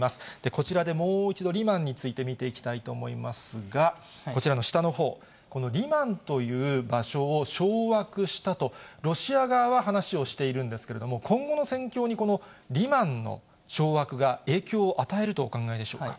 こちらでもう一度、リマンについて見ていきたいと思いますが、こちらの下のほう、このリマンという場所を掌握したと、ロシア側は話をしているんですけれども、今後の戦況にこのリマンの掌握が影響を与えるとお考えでしょうか。